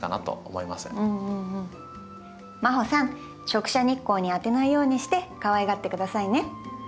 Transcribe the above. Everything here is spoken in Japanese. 直射日光に当てないようにしてかわいがって下さいね！